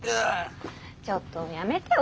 ちょっとやめてよ